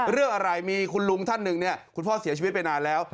เรื่องอะไรมีคุณลุงท่านหนึ่งเนี่ยคุณพ่อเสียชีวิตไปนานแล้ว